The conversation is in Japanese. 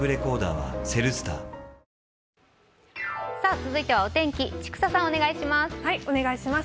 続いてはお天気、千種さん、お願いします。